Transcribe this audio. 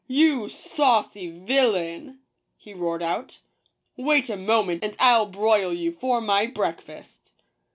"You saucy villain!" he roared out ; "wait a mo ment, and I'll broil you for my breakfast